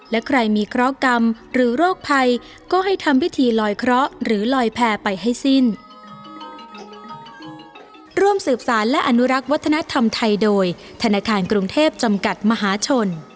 และใครมีเคราะหกรรมหรือโรคภัยก็ให้ทำพิธีลอยเคราะห์หรือลอยแพร่ไปให้สิ้น